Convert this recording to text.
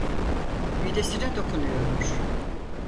Midesine dokunuyormuş.